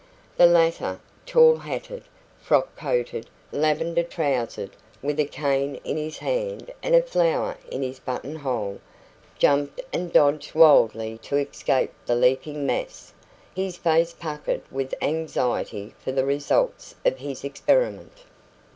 The latter, tall hatted, frock coated, lavender trousered, with a cane in his hand and a flower in his button hole, jumped and dodged wildly to escape the leaping mass, his face puckered with anxiety for the results of his experiment.